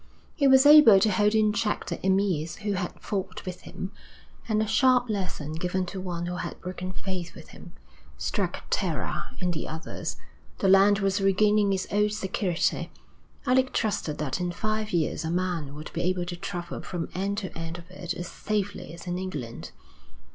He was able to hold in check the emirs who had fought with him, and a sharp lesson given to one who had broken faith with him, struck terror in the others. The land was regaining its old security. Alec trusted that in five years a man would be able to travel from end to end of it as safely as in England.